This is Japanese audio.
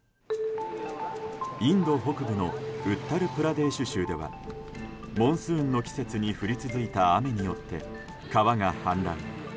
インド北部のウッタル・プラデーシュ州ではモンスーンの季節に降り続いた雨によって川が氾濫。